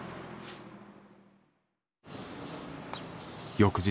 翌日。